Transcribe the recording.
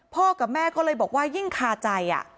กับแม่ก็เลยบอกว่ายิ่งคาใจ